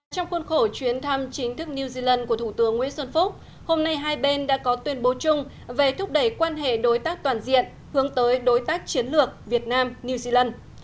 trong khuôn khổ chuyến thăm chính thức new zealand của thủ tướng nguyễn xuân phúc hôm nay hai bên đã có tuyên bố chung về thúc đẩy quan hệ đối tác toàn diện hướng tới đối tác chiến lược việt nam new zealand